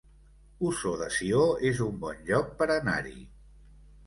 Ossó de Sió es un bon lloc per anar-hi